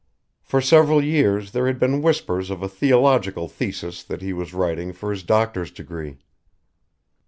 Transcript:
For several years there had been whispers of a theological thesis that he was writing for his doctor's degree.